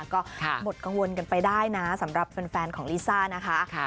ก็หมดกังวลกันไปได้นะสำหรับแฟนของลิซ่านะคะ